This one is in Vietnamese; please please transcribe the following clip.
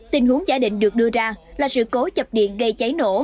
tình huống giả định được đưa ra là sự cố chập điện gây cháy nổ